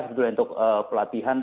sebetulnya untuk pelatihan